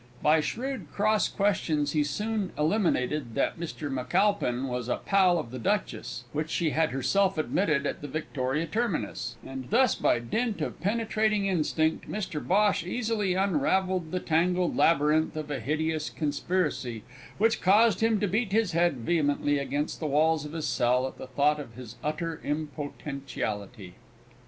By shrewd cross questions he soon eliminated that Mr McAlpine was a pal of the Duchess, which she had herself admitted at the Victoria terminus, and thus by dint of penetrating instinct, Mr Bhosh easily unravelled the tangled labyrinth of a hideous conspiracy, which caused him to beat his head vehemently against the walls of his cell at the thought of his utter impotentiality.